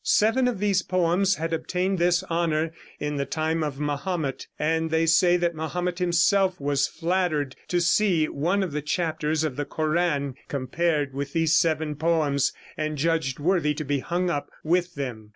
Seven of these poems had obtained this honor in the time of Mahomet, and they say that Mahomet himself was flattered to see one of the chapters of the Koran compared with these seven poems and judged worthy to be hung up with them.